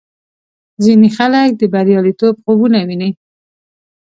ځینې خلک د بریالیتوب خوبونه ویني.